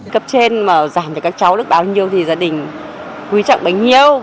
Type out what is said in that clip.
cấp trên mà giảm cho các cháu được bao nhiêu thì gia đình quý trọng bấy nhiêu